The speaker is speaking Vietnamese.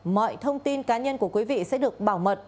mọi thông tin cá nhân của quý vị sẽ được bảo mật